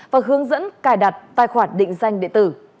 và hướng dẫn cài đặt tài khoản định danh điện tử